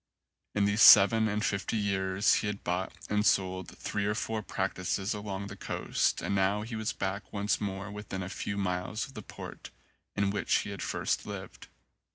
In these seven and fifty years he had bought and sold three or four practices along the coast and now he was back once more within a few miles of the port in which he had first lived.